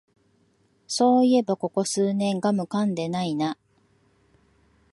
そういえばここ数年ガムかんでないな